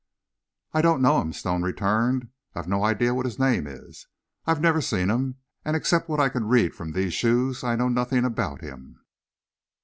"I don't know him," Stone returned; "I've no idea what his name is, I've never seen him, and except what I can read from these shoes I know nothing about him."